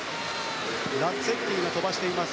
ラッツェッティが飛ばしている。